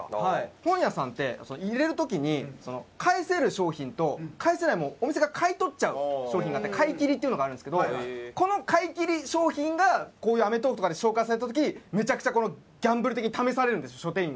本屋さんって入れる時に返せる商品と返せないお店が買い取っちゃう商品があって買い切りっていうのがあるんですけどこの買い切り商品がこういう『アメトーーク』とかで紹介された時にめちゃくちゃギャンブル的に試されるんです書店員は。